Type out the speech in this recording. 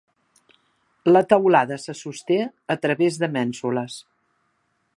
La teulada se sosté a través de mènsules.